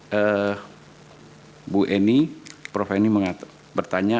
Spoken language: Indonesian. tadi bu eni prof eni bertanya